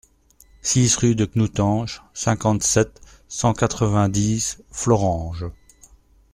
six rue de Knutange, cinquante-sept, cent quatre-vingt-dix, Florange